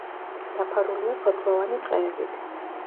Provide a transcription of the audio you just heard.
დაფარულია ფოთლოვანი ტყეებით.